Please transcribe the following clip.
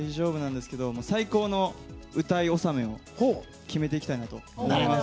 最高の歌い納めを決めていきたいなと思います。